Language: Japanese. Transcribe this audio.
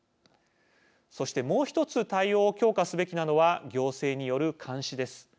そして、もう１つ対応を強化すべきなのは行政による監視です。